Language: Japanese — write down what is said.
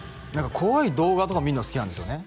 怖い動画とか見るの好きなんですよね？